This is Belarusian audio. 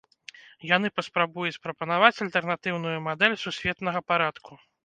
Яны паспрабуюць прапанаваць альтэрнатыўную мадэль сусветнага парадку.